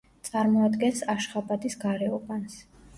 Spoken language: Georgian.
წარმოადგენს აშხაბადის გარეუბანს.